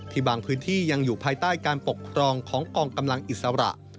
บางพื้นที่ยังอยู่ภายใต้การปกครองของกองกำลังอิสระ